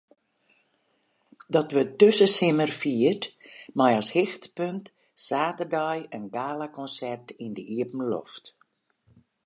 Dat wurdt dizze simmer fierd mei as hichtepunt saterdei in galakonsert yn de iepenloft.